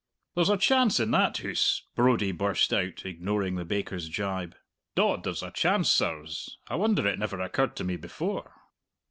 "There's a chance in that hoose," Brodie burst out, ignoring the baker's gibe. "Dod, there's a chance, sirs. I wonder it never occurred to me before."